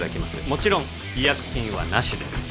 もちろん違約金はなしです